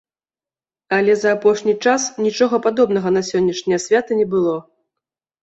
Але за апошні час нічога падобнага на сённяшняе свята не было.